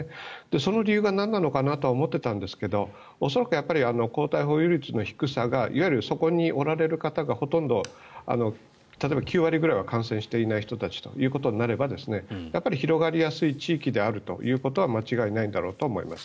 その理由がなんなのかな？とは思っていたんですが恐らく抗体保有率の低さがいわゆる、そこにおられる方がほとんど、例えば９割くらいは感染していない人たちということになれば広がりやすい地域であるということは間違いないんだろうと思います。